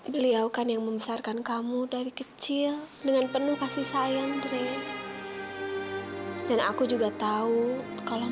beliau kan yang membesarkan kamu dari kecil dengan penuh kasih sayang dray dan aku juga tahu kalau